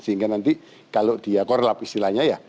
sehingga nanti kalau dia korlap istilahnya ya